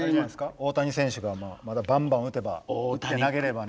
大谷選手がまあまたバンバン打てば打って投げればね。